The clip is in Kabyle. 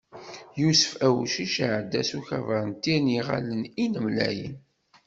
Yusef Awcic iɛedda s ukabar n Tirni n Yiɣallen Inemlayen.